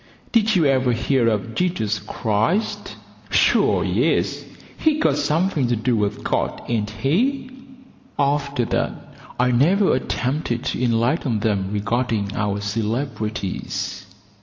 "Did you ever hear of Jesus Christ?" "Sure, yes; he's got something to do with God, ain't he?" After that I never attempted to enlighten them regarding our celebrities.